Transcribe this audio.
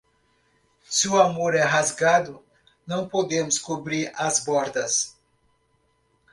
Se o amor é rasgado, não podemos cobrir as bordas.